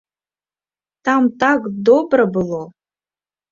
Там так добра было!